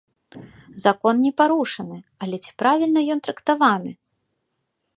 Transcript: Закон не парушаны, але ці правільна ён трактаваны?